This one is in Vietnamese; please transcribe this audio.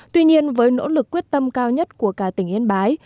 tuy nhiên với nỗ lực quyết tâm cao nhất của cả tỉnh yên bái